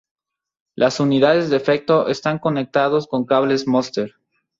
Las unidades de efectos están conectados con cables Monster.